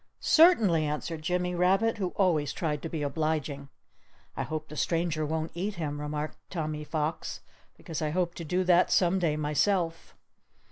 "Certainly!" answered Jimmy Rabbit, who always tried to be obliging. "I hope the stranger won't eat him," remarked Tommy Fox, "because I hope to do that some day, myself."